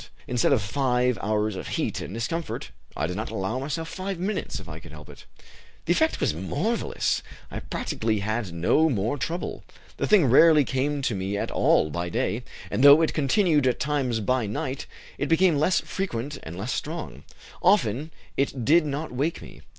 Instead of five hours of heat and discomfort, I did not allow myself five minutes, if I could help it. "The effect was marvelous. I practically had no more trouble. The thing rarely came to me at all by day, and though it continued at times by night, it became less frequent and less strong; often it did not wake me.